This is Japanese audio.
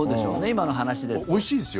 今の話ですと。